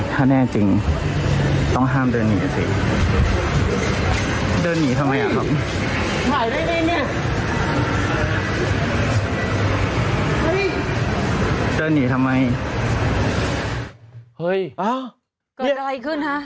เฮ้ยเกิดอะไรขึ้นฮะ